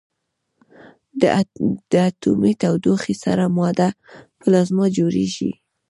د اټومي تودوخې سره ماده پلازما جوړېږي.